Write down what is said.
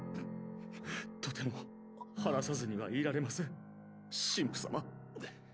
とても話さずにはいられません神父様。